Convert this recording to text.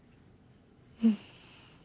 うん